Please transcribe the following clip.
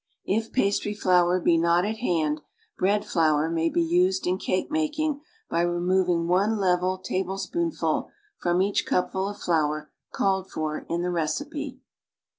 If pastry flour be not at hand, bread flour may be used in cake making by removing one level tablespoonful from each cupful of flour called for in the recipe.